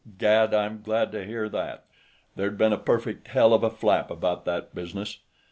"By God, I'm glad to hear that!" There'd been a perfect hell of a flap about that business.